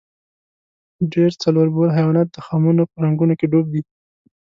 ډېر څلوربول حیوانان د خمونو په رنګونو کې ډوب دي.